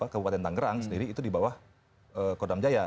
kabupaten tanggerang sendiri itu di bawah kodam jaya